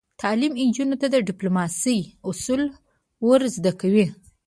تعلیم نجونو ته د ډیپلوماسۍ اصول ور زده کوي.